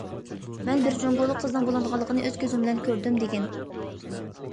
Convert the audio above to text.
مەن بىر جۇڭگولۇق قىزنىڭ بۇلانغانلىقىنى ئۆز كۆزۈم بىلەن كۆردۈم، دېگەن.